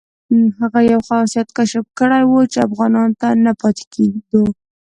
هغه یو خاصیت کشف کړی وو چې افغانانو ته نه پاتې کېدو.